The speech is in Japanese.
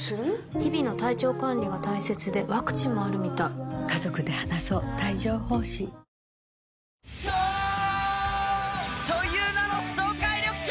日々の体調管理が大切でワクチンもあるみたい颯という名の爽快緑茶！